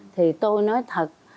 thì tôi nói thật